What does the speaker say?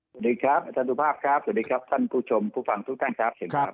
สวัสดีครับอาจารย์สุภาพครับสวัสดีครับท่านผู้ชมผู้ฟังทุกท่านครับเชิญครับ